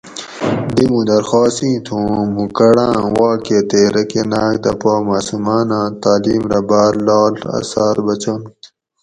دی مُوں درخواست اِیں تھُو اُوں مُوں کۤڑاۤں واکہ تے رکۤہ ناۤگ دہ پا ماۤسوماۤناۤں تعلیم رہ باۤر لاڷ اۤثاۤر بچنت